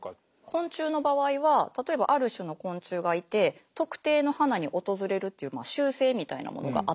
昆虫の場合は例えばある種の昆虫がいて特定の花に訪れるっていう習性みたいなものがあったりします。